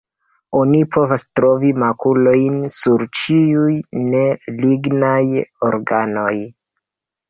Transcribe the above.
Oni povas trovi makulojn sur ĉiuj ne lignaj organoj.